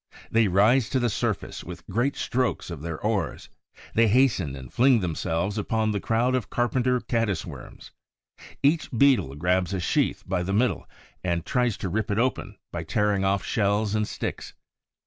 They rise to the surface with great strokes of their oars; they hasten and fling themselves upon the crowd of carpenter Caddis worms. Each Beetle grabs a sheath by the middle and tries to rip it open by tearing off shells and sticks.